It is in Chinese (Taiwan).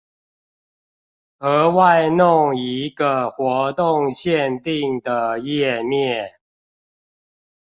額外弄一個活動限定的頁面